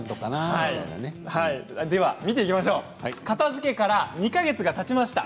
片づけから２か月たちました。